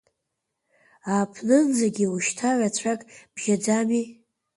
Ааԥнынӡагьы ушьҭа рацәак бжьаӡамеи!